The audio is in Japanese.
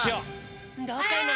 どうかな？